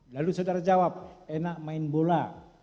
lalu saudara jawab enak main bola